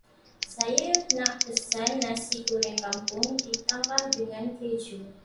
Saya nak pesan Nasi goreng kampung ditambah dengan keju.